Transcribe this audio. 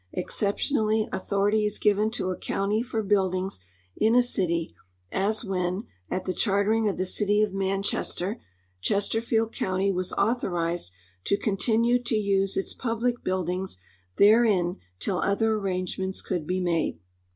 Exceptionally, au thority is given to a county for buildings in a city, as when, at the chartering of the city of Manchester, Chesterfield county was authorized to continue to use its })ublic buildings therein till other arrangements could be made.